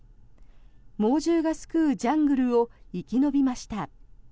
猛獣が巣くうジャングルを生き延びました。